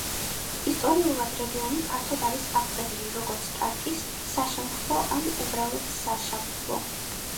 ისტორიულად, რეგიონი ფართოდ არის აღწერილი, როგორც ტარკის საშამხლო ან უბრალოდ საშამხლო.